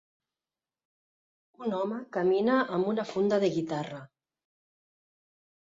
Un home camina amb una funda de guitarra.